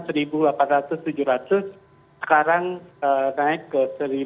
sekarang naik ke satu lima ratus